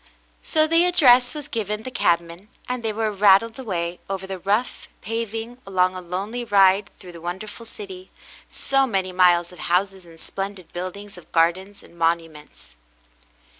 So the address was given the cabman, and they were rattled aw^ay over the rough paving, a long, lonely ride through the wonderful city — so many miles of houses and splendid buildings, of gardens and monuments.